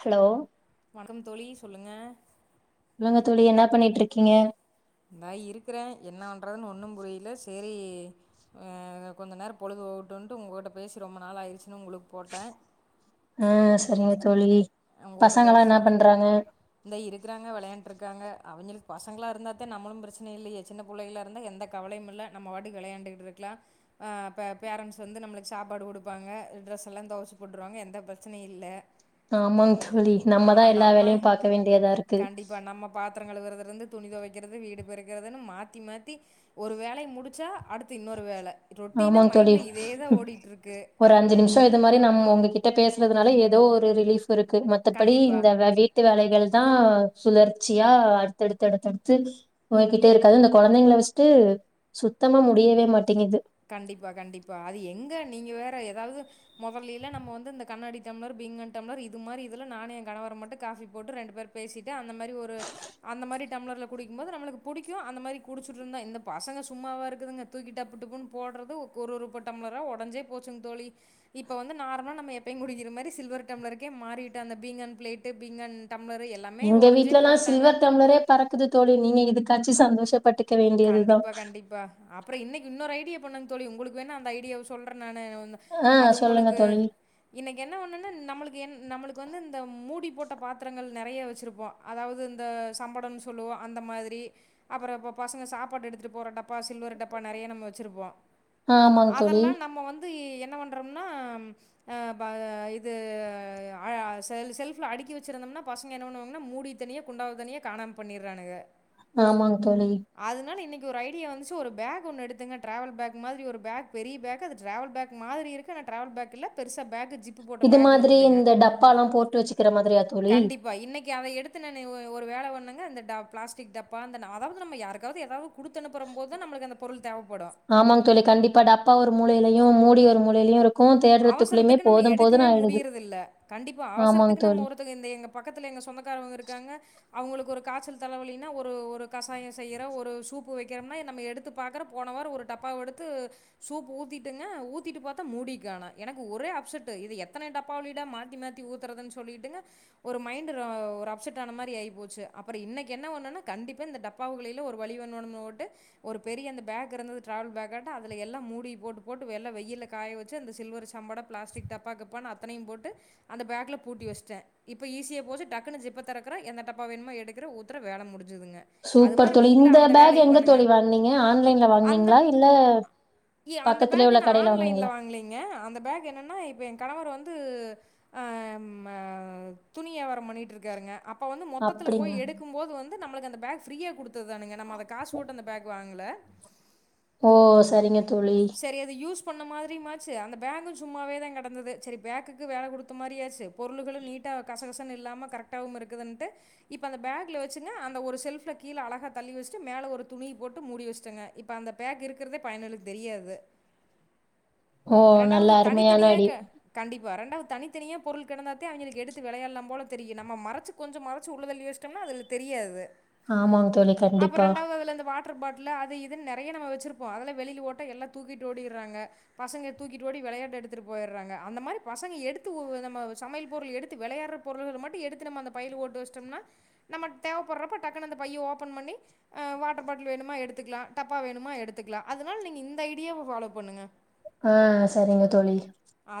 Hello வணக்கம் தோழி சொல்லுங்க சொல்லுங்க தோழி என்னா பண்ணிட்ருக்கீங்க இந்த இருக்கற என்ன பண்றதுன் ஒன்னும் புரியல சேரி கொஞ்ச நேர பொழுது போகட்டும்ன்ட்டு உங்ககிட்ட பேசி ரொம்ப நாள் ஆயிடுச்சு உங்ளுக் போட்ட செரிங்க தோழி அவங்குகிட்ட பசங்கல்லா என்ன பேசுற பண்றாங்க இந்த இருக்கிறாங்க விளையாண்ட்டு இருக்காங்க அவிங்களுக் பசங்ளா இருந்தாதே நம்மளுக் ப்ரச்சன இல்ல சின்ன புள்ளைங்ளா இருந்தாஎந்த கவலையு இல்ல நம்ம வாட்டுக்கு விளையாண்டுக்கிட்டு இருக்கலாம்ப்ப பேரண்ட்ஸ் வந்து நம்மளுக்கு சாப்பாடு கொடுப்பாங்க ட்ரெஸ் எல்லா தொவச்சி போட்ருவாங்க எந்த பிரச்சனயு இல்ல ஆமாங் தோழி நம்மதா எல்லா வேலையு பாக்க வேண்டியதா இருக்கு கிறறது வீடு பெறக்கிறதுன் மாத்தி மாத்தி ஒரு வேலை முடிச்சா அடுத்து இன்னொரு வேல ரொட்டினா ஆமாங்க தோழி மைண்ட்ல இதேதா ஓடிட்ருக்கு ஒரு அஞ்சு நிமிஷோ இது மாரி நம்ம உங்ககிட்ட பேசுறதுனால எதோ ஒரு ரிலீஃப் இருக்கு மத்தபடி கண்டிப்பா இந்த வீட்டு வேலைகள் யா சுழற்சியா அடுத்தடுத்து அடுத்தடுத்து போய்கிட்டே இருக்காது இந்த கொழந்தைங்கள வச்ட்டு சுத்தமா முட் முடியவே மாட்டேங்குது கண்டிப்பா கண்டிப்பா அது எங்க நீங்க வேற ஏதாவ்து மொதல்லைலா நம்ம வந்து இந்த கண்ணாடி டம்ளர் பீங்கன் டம்ளர் இது மாதிரி இதுல நானு கனவர மட்டு காஃபி போட்டு ரெண்டு பேர் பேசிட்டு அந்த மாரி ஒரு அந்த மாதிரி டம்ளர்ல குடிக்கும்போது நம்மளுக்கு பிடிக்கு அந்த மாதிரி குடிச்சிட்டு இருந்தா இந்த பசங்க சும்மாவா இருக்குதுங்க தூக்கி டப்புட்டுப்புன்னு போட்றது ஒரு ஒருப ம்ளரா ஒடஞ்சே போச்சுங் தோழி இப்ப வந்து நார்லா நம்ம எப் குடிக்கிற மாரி சில்வர் டம்ளருக்கே மாறிட்டு அந்த பீங்கன் ப்ளேட்டு பீங்கான் டம்ளரு எல்லாமே எங்க உடஞ்சே வீட்லலா போட்டாங்க. சில்வர் டம்ளரே பறக்குது தோழி நீங்க இதுக் காச்சு சந்தோஷ பட்டு கண்டிப்பா கண்டிப்பா அப்ற இன்னக்கு இன்னொரு ஐடியா போணந் தோழி உங்களுக்வேணா அந்த ஐடியாவ சொல்ற நானு ஆ அது சொல்லுங்க உங்களுக்கு தோழி இன்னக்கு என்ன ஒன்னுனா நம்மளுக்கு எ நம்மளுக்கு வந்து இந்த மூடி போட்ட பாத்துரங்கள் நெறைய வச்சிருப்போ அதாவுது இந்த சம்படன் சொல்லுவ அந்த மாதிரி அப்பறோ இப்போ பசங்க சாப்பாடு எடுத்துட்டு போற டப் பா சில்வர்டப்பா நறைய நம்ம வச்சிருப்போ ஆமாங்க தோழி அதல்லா நம்ம வந்து என்ன வன் றன்னா ம் அ ப இது அ செல் செல்ஃப்ல அடுக்கி வச்சிருந்தம்னா பசங்க என்ன பண்ணுவாங்கன்னா மூடி தனியா குண்டாவ தனியா காணாம் பண்ணிர்றானுக ஆமாங் தோழி அதுனால இன்னக்கி ஒரு ஐடியா வந்துச்சு ஒரு பேக் ஒன்னு எடுத்தங்க ட்ராவல் பேக் மாதுரி ஒரு பேக் பெரிய பேகு அது ட்ராவல் பேக் மாதிரி இருக்கு ஆனா ட்ராவல் பேக் இல்ல பெருசா பேகு ஜிப்பு போட்ட இது பேக் மாதிரி இருந்ததுங்க இந்த டப்பால்லா போட்டு வச்சுக்கிற மாதிரியா தோழி கண்டிப்பா இன்னக்கி அத எடுத்து நானு ஒரு வேல பண்ணங் க அந்த ட பிளஸ்டிக் டப்பா அந்த ந அதாவுது நம்ம யாரு க்காவ்து எதாவ் ஆமாங் தோழி கண்டிப்பா டப்பா ஒரு மூலைலயு மூடி ஒரு மூலைலெயுருக் அவசரத்துக்கு நம்ம எடுக்கவே முடியறதில்ல கண்டிப்பா ஆமாங் அவசரத்துக்கு நம்ம தோழி ஒருத்தங்க இந்த எங்க பக்கத்துல எங்க சொந்தக்காரவங்க இருக்காங்க அவுங்களுக்கு ஒரு காச்சல் தலவலினா ஒரு ஒரு கஷாய செய்யிற ஒரு சூப்பு வக்கிறம்னா நம்ம எடுத்து பாக்கற போன வாரொ ஒரு டப்பாவ எடுத்து சூப்பு ஊத்திட்டுங்க ஊத்திட்டு பாத்தா மூடி காணா எனக்கு ஒரே அப்ஸட்டு இது எத்தன டப்பாலடா மாத்தி மாத்தி ஊத்தறதுன் சொல்லிட்டுங்க ஒரு மைன்டு ர ஒரு அப்ஸட் ஆன மாரி ஆய்போச்சு அப்பற இன்னக்கி என்ன பண்ணணா கண்டிப்பா இந்த டப்பாவுகுளைல ஒரு வழி பண்ணணுமோட்டு ஒரு பெரிய அந்த பேக் இருந்தது ட்ராவல் பேகாட்டா அதுல எல்லா மூடி போட்டு போட்டு வெல்லா வெயில்ல காய வச் சு அந்த சில்வர் சம்படம் ப்ளாஸ்டிக் டப்பா கிப்பான் அத்தனையும் போட்டு அந்த பேக்ல பூட்டி வச்டே இப்ப ஈஸியா போச்சு டக்குனு ஜிப்ப தொறக்குறே எந்த டப்பா வேணுமோ எடுக்குறே ஊத்துற வேல முடு சூப்பர் தோழி இந்த பேக் எங்க பண்ணுங்கள் தோழி வாங்குனீங்க ஆன்லைன்ல அந்த வாங்க்னீங்ளா இல்ல பக்கத்துல உள்ள கடைல வாங்னீங்ளா அ அந்த பேக் என்னன்னா இப்ப எ கணவர் வந்து ஆ அம் ஆ துணியாவாரம் பண்ணிட்ருக்காருங்க அப் ப வந்து மொத்தத்துல போய் அப்டிங்களா எடுக்கும் போது வந் து நம்மளுக் அந்தக் பேக் ஃப்ரீயா குடுத் துதானுங்க நம்ம அத காசு போட்டு அந்த பேக் வாங்கல ஓ சரிங்க தோழி செரி அது யூஸ் பண்ண மாதிரியிமாச்சு அந்த பேகு சும்மாவேதா கடந்தது சரி பேகுக்கு வேல குடுத்த மாரி ஆச்சு பொருளுகளு நீட்டா கஸகஸன் இல்லாம கரெக்டாவும் இருக்குதுன்ட்டு இப்ப அந்த பேக்ல வச்சுருந்தே அந்த ஒரு செல்ஃப்ல கீழ அழகா தள்ளி வச்ட்டு மேல ஒரு துணி போட்டு மூடி வச்ட்டெங்க இப்ப அந்த பேக் இருக்குறதே பயனுல்ல தெரியாது ஓ நல்ல அருமையான ஐடி வறண்டாவ தனித்தனியா பொருள் கடந்தாத்தே அவிங்களுக்கு எடுத்து வெளையால்லாம் போல தெரியு நம்ம மறச்சு கொஞ்ச மறச்சு உள்ளதள்ளி வச்ட்டம்னா அதுகளுக் தெரியாது ஆமாங்க தோழி கண்டிப்பா ட்ரு பாட்லு அது இதுன் நெறைய நம்ம வச்சிருப்போ அதல்லா வெளில போட் ட எல்லா தூக்கிட்டு ஓடிர்றாங்க பசங்க தூக்கிட்டு ஓடி வெளையாட்ட எடுத்துட்டு போயர்றாங்க அந்த மாரி பசங்க எடுத்து ஒரு நம்ம சமையல் பொருள் எடுத்து வெளயாட்ர பொருள்க மாட்டி எடு இந்த ஐடியாவ ஃபாலோ பண்ணுங்க ஆஹ் சரிங்க தோழி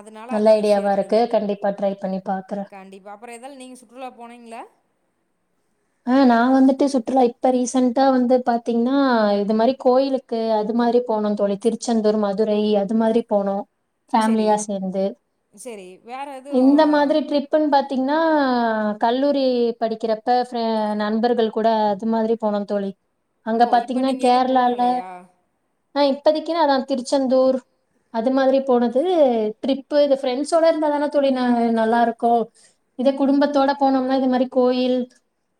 அதனால அது நல்ல ஈஸியா ஐடியாவா இருக்கு இருக்குது. கண்டிப்பா ட்ரை பண்ணி பாக்குறே கண்டிப்பா அப்புறம் ஏதால நீங்க சுற்றுலா போனீங்களா? அஹ் நா வந்துட்டு சுற்றுலா இப்ப ரீசன்டா வந்து பாத்தீங்கன்னா இது மாதிரி கோயிலுக்கு அது மாதிரி போனோ தோழி திருச்செந்தூர் மதுரை அது மாதிரி போனோ சரி, ஃபேமலியா சேர்ந்து சரி. வேற இந்த எதுவும் மாதிரி டரிப்புன்னு பாத் பாத்தீங்கன்னா கல்லூரி படிக்கிறப்ப அ நண்பர்கள் கூட அது மாதிரி போனொ தோழி அங்க ஓ! இப்ப பாத்தீங்கன்னா நீங்க எதுவும் கேரளால போகலையா? ஆஹ் இப்பதைக்குன்னா அதா திருச்செந்தூர் அது மாதிரி போனது ட்ரிப்பு இது ஃப்ரெண்ட்ஸோட இருந்தாதானா தோழி நா நல்லா இருக்கோ இதே குடும்பத்தோட போனோம்னா இது மாதிரி கோயில்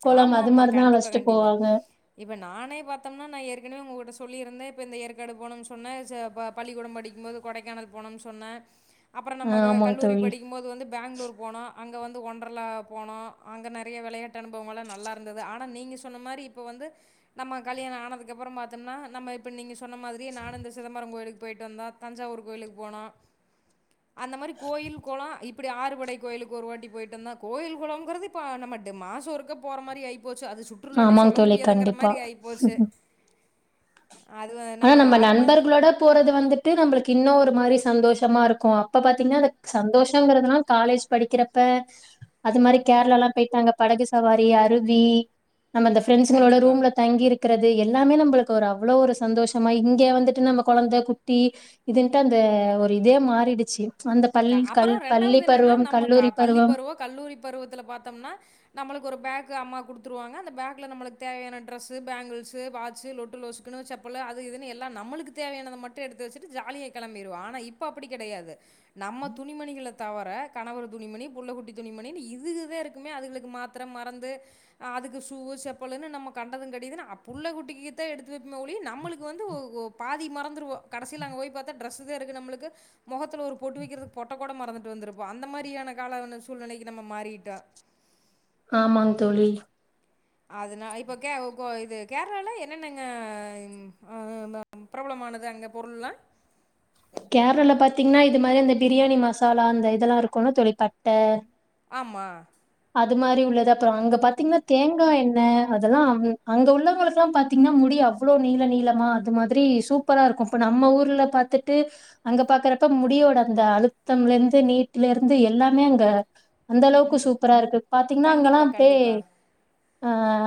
குளம் ஆமா அது ஆமா மாரி தான் கண்டிப்பா அழைச்சிட்டு கண்டிப்பா போவாங்க. இப்ப நானே பார்த்தோம்னா நா ஏற்கனவே உங்ககிட்ட சொல்லியிருந்தே ப்ப இந்த ஏற்காடு போனும்னு சொன்ன ச ப பள்ளிக்கூடம் படிக்கும்போது கொடைக்கானல் போனம்னு சொன்னே அப்புறம் ஆ நம்ம க ஆமாங்க கல்லூரி தோழி. படிக்கும்போது வந்து பெங்களூர் போனோ அங்கே வந்து வண்ட்ரலா போனோ அங்கே நெறைய வெளையா ட்டு அனுபவம் நல்லா இருந்தது ஆனா நீங்க சொன்ன மாரி இப்ப வந்து நம்ம கல்யாண ஆனதுக்குப்புறம் பாத்தும்னா நம்ம இப்ப நீங்க ச் சொன்ன மாதிரி நானு இந்த சிதபரம் கோவிலுக் போயிட்டு வந்தொ தஞ்சாவூர் கோயிலுக்கு போன அந்த மாரி கோயில் கொளொ இப்படி ஆறுபடை கோலுக்கு ஒரு வாட்டி போயிட்டு வந்தொ கோயில் கொயளங்குறது இப்ப நம்ம டி மாச் ஒருக்க போற மாரி ஆயி போச்சு அது சுற்றுலனே ஆமாங் சொல்ல தோழி முடியாதுங்கிற கண்டிப்பா மாதிரி ஆயிப்போச்சு அது ஆனா நம்ம அது மாதிரி நண்பர்களோட போறது வந்துட்டு நம்மளுக்கு இன்னோ ஒரு மாரி சந்தோஷமா இருக்கும் அப்ப பாத்தீங்கனா அ சந்தோஷங்கறிறதுல்லாம் காலேஜ் படிக்கிறப்ப அது மாரி கேரளாலா போயிட்டாங்க படகு சவாரி அருவி நம்மஅந்த ஃப்ரெண்ஸ்களோட கண்டிப்பா. ரூம்ல தங்கி இருக்கு க்றது எல்லாமே நம்மளுக்கு ஒரு அவ்வளோ ஒரு சந்தோஷமா இங்கே வந்துட்டு நம்ம கொழந்த குட்டி இதுன்ட்டு அந்த ஒரு இதே மாறிடுச்சு அந்த பள் அப்புற கல் பள்ளி ரெண்டாவது என்னன்னா பருவம் நம்மக கல்லூரி பள்ளி பருவம் கல்லூரி பருவத்துல பாத்தம்னா நம்மளுக்கு ஒரு பேக் அம்மா குடுத்துருவாங்க அந்த பேக்ல நம்மளுக்கு தேவையான டிரஸ் பேங்கிள் வாுட்டு ல செ அது இதுன்னு எல்லா நம்மளுக்கு தேவயானதை மட்டு எடுத்து வச்சுட்டு ஜாலியா கிளம்பிடுவ ஆனா இப்ப அப்பு டி கடையாது நம்ம துணிமணிகள தவர கணவர் துணிமணி புள்ள குட்டி துணிமணி இதுக தா இருக்குமே அதுங்ளுக்கு மாத்ர மறந்து அதுக்கு சூவு செப்பலுனு நம்ம கண்டத அ புள்ளகுட்டிகு தா எடுத்து வெப்போமே ஒழிய நம்மளுக்கு வந்து ஒ ஒ ஒரு பாதி மறந்துருவ கடசில அங்கபோய் பாத்தா ட்ரஸ்சுதா இருக்கு நம்மளுக்கு மொகத்துல ஒரு பொட்டு வைக்கிறதுக்கு பொட்ட கூட மறந்துட்டு வந்திருப்போ அந்த மாரியான கால சூழ்நலைக்கு நம்ம மாறிட்டோ ஆமாங் தோழி அதுனா இப்ப கே கோ இது கேரளால என்னன்னங்க இங் அ ப்ராப்ளம் ஆனது அங்க பொருள்ல்லா கேரளால பாத்தீங்கனா இது மாரி அந்த பிரியாணி மசாலா அந்த இதல்லா இருக்குல்ல தோழி பட்ட ஆமா அது மாரி உள்ளது அப்ற அங்க பாத்தீங்கனா தேங்கா எண்ண அதெல்லாம் அங்க உள்ளவங்களுக்லா பாத்தீங்கனா முடி அவ்ளோ நீள நீளமா அது மாதுரி சூப்பராக இருக்கு இப்போ நம்ம ஊர்ல பாத்து அங்க பாக்குறப்ப முடியோட அந்த அழுத்தம்ல இருந்து நீட்டுல இருந்து எல்லாமே அங்க அந்த அளவுக்கு சூப்பரா இருக்கு பா்த்தீங்கனா அங்கல்லா கண்டிப்பாக அப்டே கண்டிப்பாக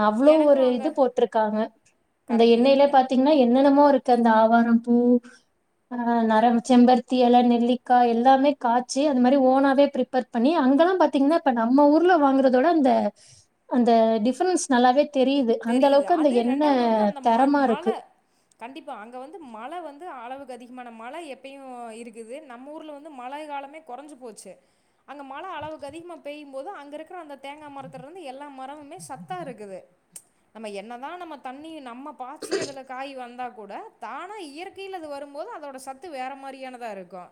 அவ்ளோ ஒரு எனக்கும் இது அங்கே போட்ருக்காங்க அந்த கரெக்டு எண்ணெல கரெக்டு பாத்தீங்னா என்னனமோ இருக் இருக்கு அந்த ஆவாரம் பூ அ நரம் செம்பருத்தி இலை நெல்லிக்காய் எல்லாமே காய்சு அந்த மாதிரி ஓனாவே ப்ரிப்பர் பண்ணி அங்கெல்லாம் பாத்தீங்கனா இப்ப நம்ம ஊர்ல வாங்குறதோட அந்த அந்த டிஃப்ரன்ஸ் நல்லாவே தெரியுது அந்த தெரியுது அளவுக்கு அந்த அது எண்ண இரண்டாவது வந்து அந்த மணி தரமா மழ இருக்கு கண்டிப்பா அங்க வந்து மழ வந்து அளவுக் அதிக்மான மழ எப்பயு இருக்குது நம் ஊர்ல வந்து மழை காலமே கொறஞ்சு போச்சு அங்க மழ அளவுக்கு அதிகமா பெய்யு போது அங்க இருக்கிற அந்த தேங்கா மரத்துலேருந்து எல்லாம் மரவந்து சத்தா இருக்குது நம்ம என்னதா நம்ம தண்ணி நம்ம பாய்ச்சி அதுல காய் வந்தா கூட தானா இயற்கைல அது வரு போது அதோட சத்து வேற மாதிரியானதா இருக்கு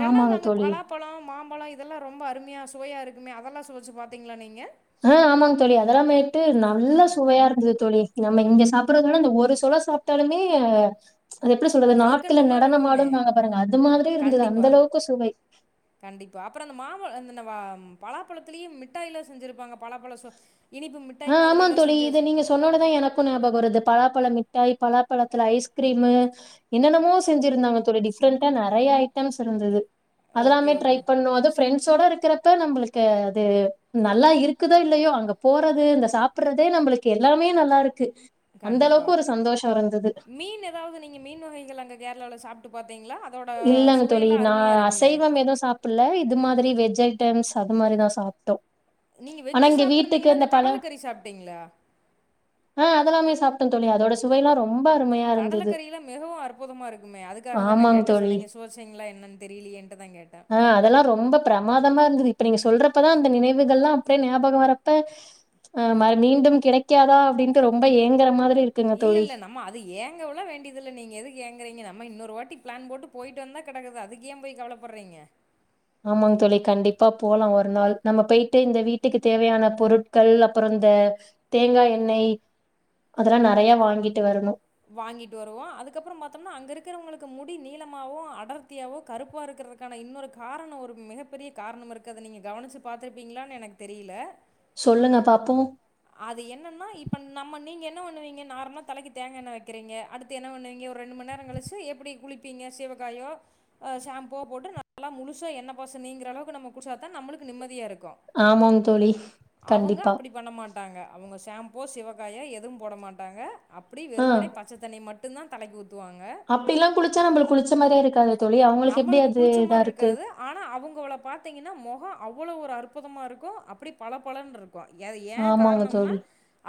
ரெண்டாவ்து ஆமாங்க அங்க தோழி பலாப்பழோ மாம் பழோ இதல்லா ரொம்ப அருமையா சுவையா இருக்குமே அதல்லா சுவச்சு பாத்தீங்களா நீங்க ஆ ஆமாங் தோழி அதல்லா மேட்டு நல்லா சுவையா இருந்து து தோழி நம்ம இங்க சாப்பிடுறதுவிட இந்த ஒரு சொலசாப்ட்டாலுமே அது எப்டி சொல்றது நாக்குல கல்கண்டு மாரி இருக்குமே நடனமாடுனுவாங்கல பாருங்க அது மாதிரி இருந்துது அந்த கண்டிப்பா அளவுக்கு சுவை இந்த வா ம் பலாப்பழத்திலே மிட்டாய்லா செஞ்சிருப்பாங்க பலாப்பழ ச ஆ ஆமா தோழி இது நீங்க சொன்னோனதா எனக்கு ஞாபக வருது பலாப்பழ மிட் மிட்டாய் பலாப்பழத்துல ஐஸ்க்ரீமு என்னனமோ செஞ்சிருந்தாங்க தோழி டிஃப்ரெண்டா நெறைய ஐட்டம்ஸ் இருந்துது ஓகே, அதலாந்தா ட்ரை ஓகே. பண்ணோ அது ஃபப்ரெண்ட்ஸ் சுட இருக்குறப்ப நம்புளுக்கு அது நல்லா இருக்குதோ இல்லயோ அங்க போற் ட்றது இந்த சாப்புட்றதே நம்பளுக்கு எல்லாமே நல்லாருக்கு கண்டிப்பா மீன் ஏதாவ்து நீங்க மீன் வகைகள் அங்க கேரளாவுல சாப்ட்டு பாத்தீங்களா? அதோட இல்லங்க தோழி சுவையெல்லாம் நா அருமையா இருக்குமே! அசைவம் எது சாப்புட்ல இது மாதுரி வெஜ் ஜ் ஐட்டம்ஸ் அது மாரிதா சாப்ட்ட நீங்க வெஜ் சாப்ட்ருந்தீங்னா இந்த கடலக்கறி சாப்ட்டீங்ளா இல்ல தோழி அதோட சுவைல்லா ரொ கடலக்கறி எல்லா மிகவு அற்புதமா இருக்குமே அதுக்காக தா நா ஆமாங்க கேட்ட தோழி. நீங்க சுவைச்சிங்ளா என்னன் தெரிய்லியேன்ட்டுதா கேட்ட ஆ அதெல்லாம் ரொம்ப பிரமாதமா இப்ப நீங்க சொல்றப்பதா அந்த நினைவுகள்ளா அப்டே ஞாபக வரப்ப மீண்டும் கிடைக்காதா அப்டின்ட்டு ரொம்ப ஏங்குற மாரி இல்லல்ல நம்ம அது ஏங்கவ்லா வேண்டியது இல்ல நீங்க எதுக்கு ஏங்குறீங்க நம் நம்ம இன்னொரு வாட்டி ப்ளான் போட்டு போய்ட்டு வந்தா கெடக்குது அதுக்கு ஏ போய் கவலப்பட்றீங்க ஆமாங் தோழி கண்டிப்பா போலா ஒரு நாள் நம்ம போய்ட்டு இந்த வீட்டுக்கு தேவையான பொருட்கள் அப்றோ இந்த தேங்காய் எண்ணெய் அதெல்லா நெறைய வாங்கிட்டு வரணு வாங்கிட்டு வருவோ அதுக்கப்புறோ பாத்தம்னா அங்க இருக்கிறவங்குளுக்கு முடி நீளமாவோ அடர்த்தியாவோ கருப்பா இருக்கிறதுக்கான இன்னொரு காரணோ ஒரு மிகப்பெரிய காரணோ இருக்கறத நீங்க கவனுச்சு பாத்துருப்பீங்ளான் எனக் தெரியில சொல்லுங்க பாப்போம். அது என்னன்னா இப்ப நம்ம நீங்க என்ன வண்ணுவீங்க நார்மலா தலைக்கு தேங்கண்ண வப் க்கிறீங்க அடுத்து என்ன வண்ணுவீங்க ஒரு ரெண்டு மண் நேரோ கழிச்சு எப்டி குளிப்பீங்க சிவக்காயோ அ ஷாம்போ போட்டு நல்லா முழுசா எண்ண பச நீங்கறவுக்கு நம்ம குச்சாதா தா நம்முளுக்கு நிம்மதியா இருக் ஆமாங் தோழி கண்டிப்பா ட்டாங்க அவுங்க ஷாம்போ சிவக்காயா எதுவு போட மாட்டாங்க அப்புடி வெறுமன்னே தண்ணி மட்டுதா தலைக் ஊத் அப்டிலா குளிச்சா நம்முளுக்கு குளிச்ச மாரியே இருக்காது தோழ் நம்முளுக்கு குளிச்ச மார்ருக்காது ஆனா அவுங்கோள பாத்தீங்கினா முகோ அவுளோ ஒரு அற்புதமா இருக்கு அப்புடி பல பல பலன்ருக்கு ஏ ஏ ஆமாங்க கார்ணம்னா தோழி.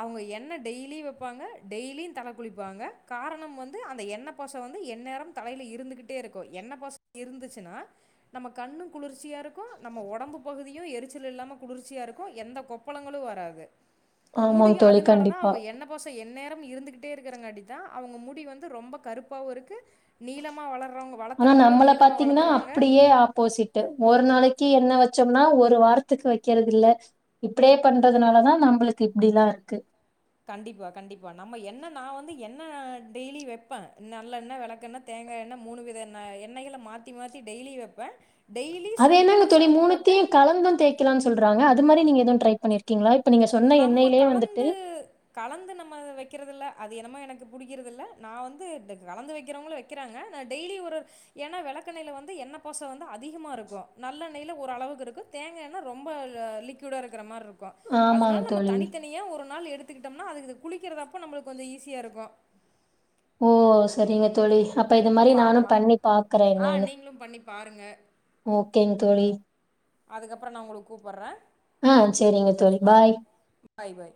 அவுங்க என்ன டெய்லி வப் பாங்க டெய்லியு தல குளிப்பாங்க காரணம் வந்து அந்த எண்ண பச வந்து எந்நேரமும் தலைல இருந்துகிட்டே இருக்கு எண்ணய் பச இருந்துச்சுன்னா நம்ம கண்ணும் குளிர்ச்சியாருக் நம்ம ஒடம்பு பகுதியு எருச் இல்லாம குளிர்ச்சியா இருக்கு எந்த கொப்பளங்களு வராது ஆமாங்க முடியும் தோழி. அதனால தா கண்டிப்பா. அவுங்க என்ன பச எந்நேர இருந்துகிட்டே இருக்குறங்காட்டி தா அவுங்க முடி வந்து ரொம்ப கருப்பாவு இருக்கு நீளமா வளர்ற ஆனா நம்மள பாத்தீங்ன்னா அப்புயே ஆப்போசிட்டு ஒரு நாளக்கு என்ன வச்ச சொன்னா ஒரு வாரத்துக்கு வக்கிறதுல்ல இல்லை இப்புடே பண்றதுனாலதா நம்மளுக்கு இப்படிலா இருக்கு கண்டிப்பா கண்டிப்பா நம்ம எண்ணெ நா வந்து எண்ணய் டெய்லி வைப்ப நல்லெண்ணய் விளக்கெண்ணெய் தேங்காஎண்ண மூணு வித எண்ணெய் எண்ணெய்களை மாத்தி மாத்தி டெய்லி வைப்ப அது என்னங்க தோழி மூணுத்யு கலந்து தேய்க்கலான் சொல்றாங்க அது மாரி நீங்க எதுவு ட்ரை பண்ணிருக்கீங்களா இப்ப நீங்க சொன்ன நம்ம எண்ணெயிலயே வந்துட்டு கலந்து கலந்து நம்ம வக்கிறதுல்ல அது என்னமோ எனக்கு புடிக்கிறதில்ல நா வந்து கலந்து வக்கிறவங்க வக்கிறாங்க நா டெய்லி ஒரு ஏன்னா விளக்கண்ணெயில வந்து எண்ணெய் பச வந்து அதிகமா இருக்கு நல்ல நெயில ஒரளவுக்கு இருக்கு தேங்காய்ல ரொம்ப லிக்விடா இருக்கிற மாரி இருக்கு அதுனால ஆமாங்க நம்ம தோழி தனித்தனியா ஒரு நாள் எடுத் த்துக்கிட்டம்னா அதுக்கு இது குளிக்கிறதப்ப நம்மளுக்கு கொஞ்ச ஈஸியா இருக்கு ஓ சரிங்க தோழி அப்ப இது மாரி நானு பார்க்கலாம் பண்ணி பாக்குற ஆ என்னனு நீங்களும் பண்ணி பாருங்கள் ஓகேங் தோழி அதுக்கப்புற நா உங்களுக் கூப்பற்ற அ சேரிங்க தோழி பாய் பாய் பாய்